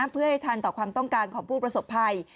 เพื่อให้ทันต่อความต้องการของผู้ประสบภัย